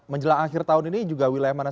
menjelang akhir tahun ini juga wilayah mana